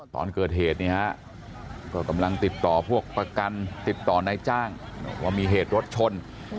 ตอนเกิดเหตุเนี่ยฮะก็กำลังติดต่อพวกประกันติดต่อนายจ้างว่ามีเหตุรถชน